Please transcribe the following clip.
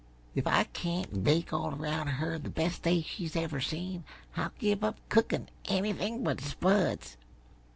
If I can't bake all around her the best day she ever seen, I'll give up cookin' anything but spuds.